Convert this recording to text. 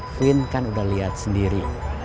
vin kan udah liat sendiri